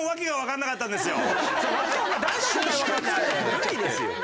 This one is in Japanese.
無理ですよ。